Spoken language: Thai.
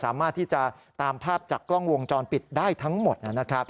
สามารถที่จะตามภาพจากกล้องวงจรปิดได้ทั้งหมดนะครับ